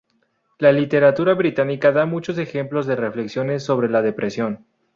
La literatura británica da muchos ejemplos de reflexiones sobre la depresión.